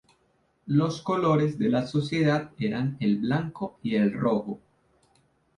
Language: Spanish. Los colores de la sociedad eran el blanco y el rojo.